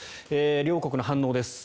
両国の反応です。